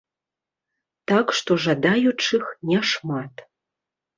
Так што жадаючых няшмат.